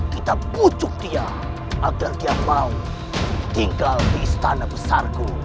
kita pujuk dia agar dia mau tinggal di istana besar ku